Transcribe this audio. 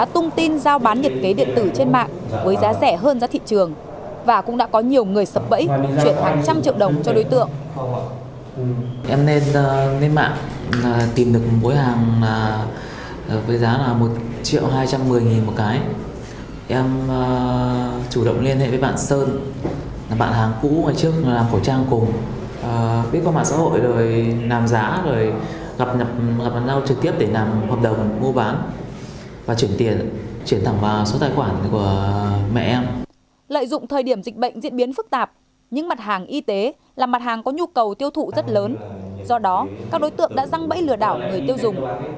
trong thời điểm dịch bệnh diễn biến phức tạp những mặt hàng y tế là mặt hàng có nhu cầu tiêu thụ rất lớn do đó các đối tượng đã răng bẫy lừa đảo người tiêu dùng